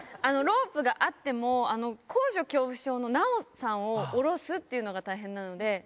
ロープがあっても高所恐怖症の奈緒さんを下ろすのが大変なので。